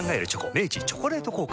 明治「チョコレート効果」